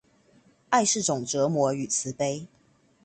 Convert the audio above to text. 愛是種折磨與慈悲